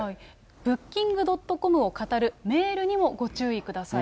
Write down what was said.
ブッキング・ドットコムをかたるメールにもご注意ください。